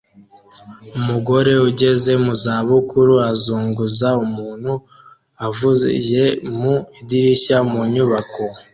Umugore ugeze mu za bukuru azunguza umuntu avuye mu idirishya mu nyubako